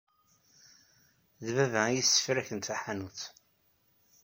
D baba ay yessefraken taḥanut.